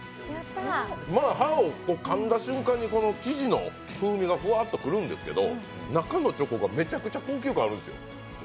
歯を、かんだ瞬間に生地の風味がふわっとくるんですけど中のチョコがめちゃくちゃ高級感あるんですよ